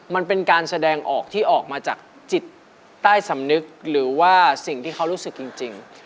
มันเป็นการแสดงออกที่ออกมาจากจิตใต้สำนึกหรือว่าสิ่งที่เขารู้สึกจริง